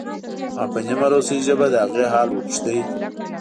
ما په نیمه روسۍ ژبه د هغې حال وپوښت